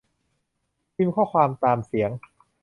พิมพ์ข้อความตามเสียง